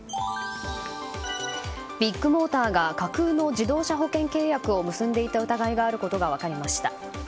ビッグモーターが架空の自動車保険契約を結んでいた疑いがあることが分かりました。